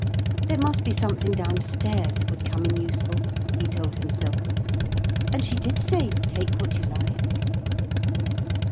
'There must be something downstairs that would come in useful,' he told himself, 'and she did say, "Take what you like."'